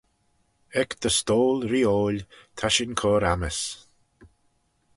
Ec dty stoyl-reeoil ta shin cur ammys.